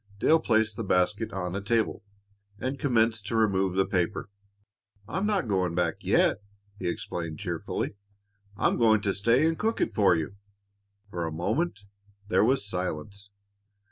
Dale placed the basket on a table and commenced to remove the paper. "I'm not going back yet," he explained cheerfully. "I'm going to stay and cook it for you." For a moment there was silence.